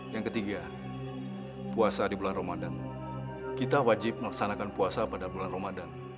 yang ketiga puasa di bulan ramadan kita wajib melaksanakan puasa pada bulan ramadan